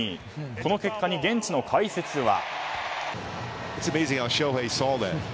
この結果に現地の解説は。